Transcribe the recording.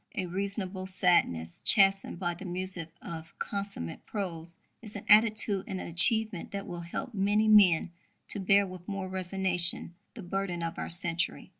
A reasonable sadness, chastened by the music of consummate prose, is an attitude and an achievement that will help many men to bear with more resignation the burden of our century.